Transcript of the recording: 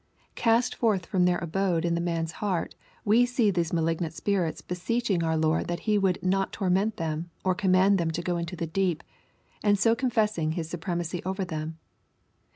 Cast forth from their abode in the man's heart, we see these malignant spirits beseeching our Lord that He would " not torment" them, or " command them to go out into the deep," and so confessing His supremacy over them.